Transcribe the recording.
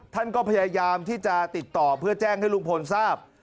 ท่านก็พยายามที่จะติดต่อเพื่อแจ้งให้ลุงพลทราบ